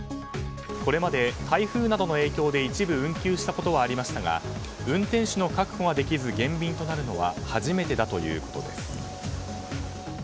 これまで台風などの影響で一部運休したことはありましたが運転手の確保ができず減便となるのは初めてだということです。